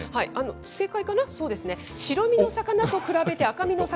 正解かな。